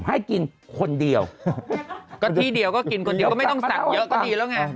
ให้กินคนเดียวก็ที่เดียวก็กินคนเดียวก็ไม่ต้องสั่งเยอะก็ดีแล้วไง